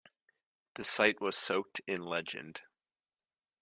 The site was soaked in legend.